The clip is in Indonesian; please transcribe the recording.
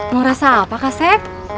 mau rasa apa kak saif